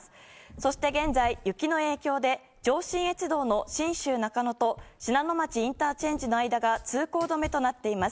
そして現在、雪の影響で上信越道の信州中野と信濃町ＩＣの間が通行止めとなっています。